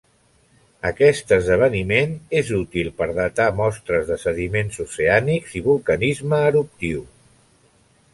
Aquest esdeveniment és útil per datar mostres de sediments oceànics i en vulcanisme eruptiu.